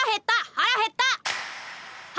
腹減った！